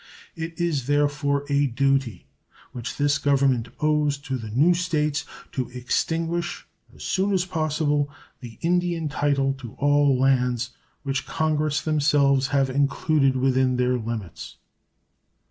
It is, therefore, a duty which this Government owes to the new States to extinguish as soon as possible the Indian title to all lands which Congress themselves have included within their limits.